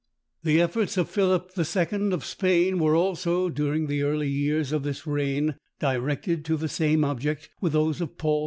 The efforts of Philip II. of Spain were also, during the early years of this reign, directed to the same object with those of Paul IV.